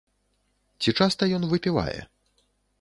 Ці часта ён выпівае?